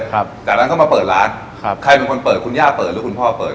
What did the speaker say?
ครับจากนั้นก็มาเปิดร้านครับใครเป็นคนเปิดคุณย่าเปิดหรือคุณพ่อเปิด